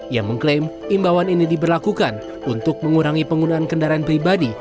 ia mengklaim imbauan ini diberlakukan untuk mengurangi penggunaan kendaraan pribadi